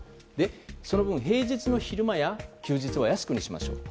その分、平日の昼間や休日は安くしましょう。